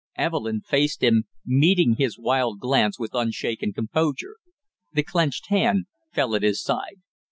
Evelyn faced him, meeting his wild glance with unshaken composure. The clenched hand fell at his side.